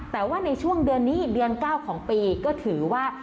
แต่ว่าในช่วงเดือนนี้เดือน๙ของปีก็ถือว่า